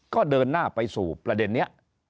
ก็เดินหน้าไปสู่ประเด็นนี้